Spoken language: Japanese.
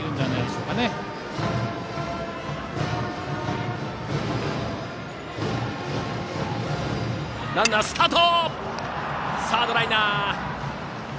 しかし、サードライナー。